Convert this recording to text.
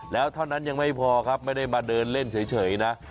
แล้วเท่านั้นยังไม่พอครับไม่ได้มาเดินเล่นเฉยนะ